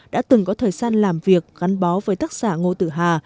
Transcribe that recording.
đã từng có thời gian làm việc gắn bó với tác giả ngô tử hà